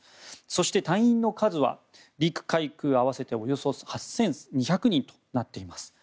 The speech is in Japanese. そして隊員の数は陸海空合わせておよそ８２００人となっています。